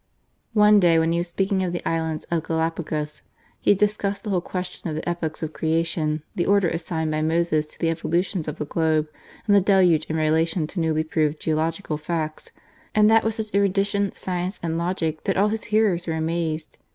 One day when he was speaking of the Islands of Gallapagos, he discussed the whole question of the epochs of Creation, the order assigned by Moses to the evolutions of the globe and the Deluge in relation to newly proved geological facts, and that with such erudition, science, and logic, that all his hearers were amazed.